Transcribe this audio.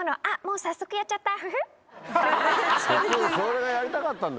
あっもう早速やっちゃったフフっ。